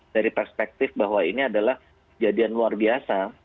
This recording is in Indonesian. dari perspektif bahwa ini adalah jadian luar biasa